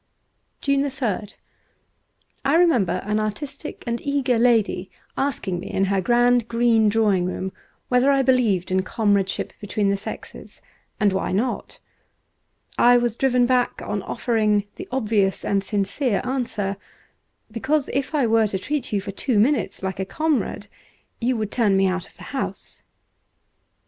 ^ 170 JUNE 3rd I REMEMBER an artistic and eager lady asking me, in her grand green drawing room, whether I believed in comradeship between the sexes, and why not. I was driven back on offering the obvious and sincere answer :' Because if I were to treat you for two minutes like a comrade, you would turn me out of the house.'